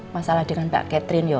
masalah dengan pak catherine yuk